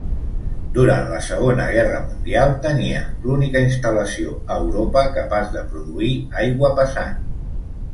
Durant la Segona Guerra Mundial tenia l'única instal·lació a Europa capaç de produir aigua pesant.